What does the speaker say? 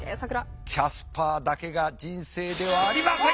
キャスパーだけが人生ではありません。